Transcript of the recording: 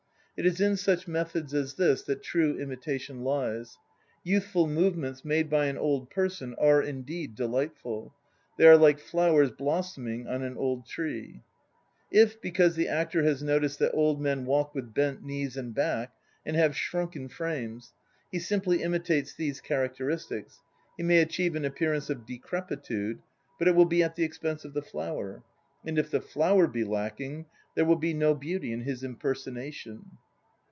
It is in such methods as this that true imitation lies. ... Youth ful movements made by an old person are, indeed, delightful; they are like flowers blossoming on an old tree. If, because the actor has noticed that old men walk with bent knees and back and have shrunken frames, he simply imitates these characteristics, he may achieve an appearance of decrepitude, but it will be at the expense of the "flower." And if the "flower" be larking there will be no beauty in his impersonation.